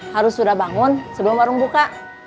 harus sudah bangun sebelum warung buka